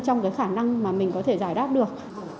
trong cái khả năng mà mình có thể giải đáp được